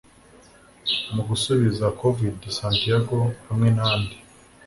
Mu gusubiza COVID Santiago hamwe nandi